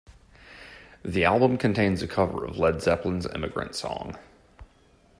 The album contains a cover of Led Zeppelin's Immigrant Song.